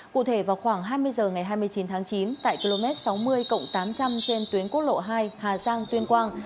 cụ thể vào khoảng hai mươi h ngày hai mươi chín tháng chín tại km sáu mươi tám trăm linh trên tuyến quốc lộ hai hà giang tuyên quang